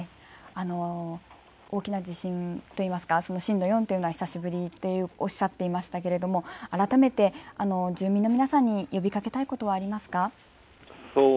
大きな地震といいますか震度４というのは久しぶりとおっしゃっていましたけれども改めて住民の皆さんに呼びかけたいことはありますか。